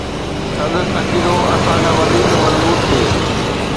سندس عقيدو اسان کان وڌيڪ مضبوط ٿئي